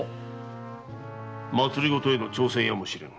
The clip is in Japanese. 政への挑戦やも知れぬ。